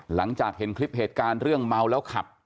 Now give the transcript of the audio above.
หลังจากเห็นคลิปเหตุการณ์เรื่องเมาแล้วขับ